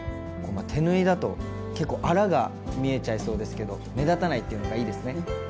手縫いだと結構アラが見えちゃいそうですけど目立たないっていうのがいいですね。